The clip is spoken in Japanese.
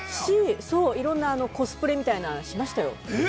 いろんなコスプレみたいなのしましたよ。